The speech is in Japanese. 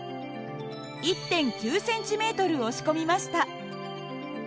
１．９ｃｍ押し込みました。